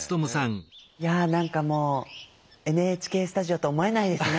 いや何かもうＮＨＫスタジオと思えないですね。